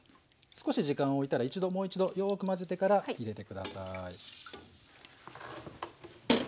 少し時間をおいたら一度もう一度よく混ぜてから入れて下さい。